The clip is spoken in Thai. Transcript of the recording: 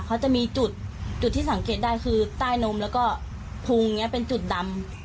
เค้าจะมีจุดที่สังเกตได้คือใต้นมและก็พุงเป็นจุดดำ